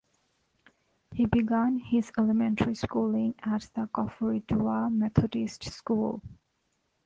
He begun his elementary schooling at the Koforidua Methodist School.